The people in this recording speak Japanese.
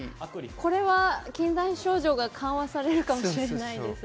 これは禁断症状が緩和されるかもしれないです。